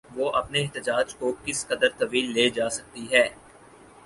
وہ اپنے احتجاج کو کس قدر طویل لے جا سکتی ہے؟